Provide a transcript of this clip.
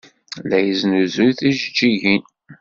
La yesnuzuy tijeǧǧigin.